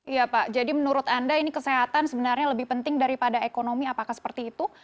iya pak jadi menurut anda ini kesehatan sebenarnya lebih penting daripada ekonomi apakah seperti itu